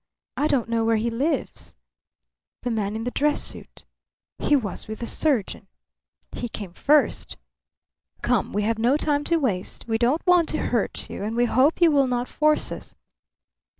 I don't know where he lives." "The man in the dress suit." "He was with the surgeon." "He came first. Come; we have no time to waste. We don't want to hurt you, and we hope you will not force us.